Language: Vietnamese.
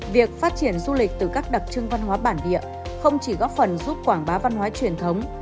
việc phát triển du lịch từ các đặc trưng văn hóa bản địa không chỉ góp phần giúp quảng bá văn hóa truyền thống